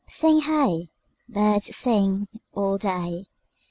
Sing hey! Birds sing All day.